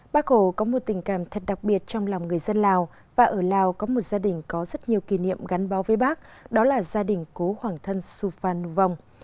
bác hồ có một tình cảm thật đặc biệt trong lòng người dân lào và ở lào có một gia đình có rất nhiều kỷ niệm gắn bó với bác đó là gia đình cố hoàng thân su phan nu vong